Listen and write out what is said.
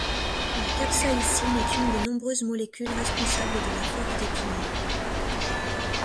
La capsaïcine est une des nombreuses molécules responsables de la force des piments.